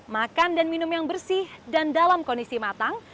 makan dan minum yang bersih dan dalam kondisi matang